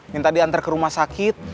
minta dia antar ke rumah sakit